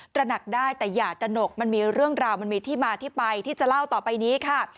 ระหนักได้แต่อย่าตระหนกมันมีเรื่องราวมันมีที่มาที่ไปที่จะเล่าต่อไปนี้ค่ะ